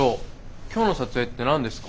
今日の撮影って何ですか？